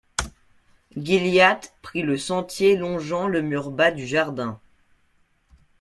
Gilliatt prit le sentier longeant le mur bas du jardin.